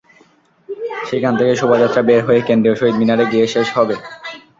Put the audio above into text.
সেখান থেকে শোভাযাত্রা বের হয়ে কেন্দ্রীয় শহীদ মিনারে গিয়ে শেষ হবে।